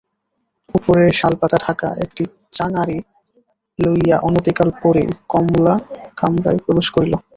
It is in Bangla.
উপরে-শালপাতা-ঢাকা একটা চাঙারি লইয়া অনতিকাল পরেই কমলা কামরায় প্রবেশ করিল।